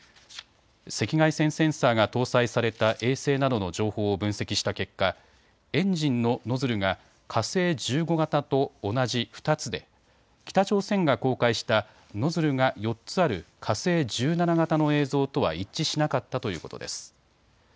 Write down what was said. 赤外線センサーが搭載された衛星などの情報を分析した結果、エンジンのノズルが火星１５型と同じ２つで北朝鮮が公開したノズルが４つある火星１７型の映像とは一致しなかったということです。